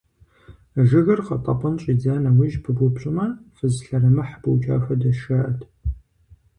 Жыгыр къэтӀэпӀын щӀидза нэужь пыбупщӀмэ, фыз лъэрымыхь быукӀа хуэдэщ, жаӀэт.